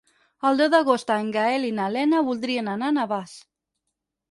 El deu d'agost en Gaël i na Lena voldrien anar a Navàs.